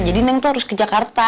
jadi neng tuh harus ke jakarta